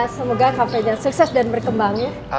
semoga cafe nya sukses dan berkembang ya